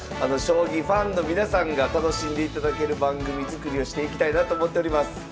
将棋ファンの皆さんが楽しんでいただける番組作りをしていきたいなと思っております。